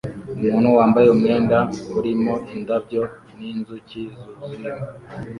Umuntu wambaye umwenda urimo indabyo n'inzuki zuzuyemo